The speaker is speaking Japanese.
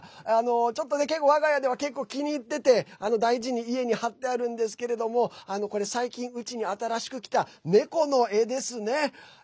ちょっとね、我が家では結構気に入ってて、大事に家に貼ってあるんですけれどもこれ、最近うちに新しく来た猫の絵ですね。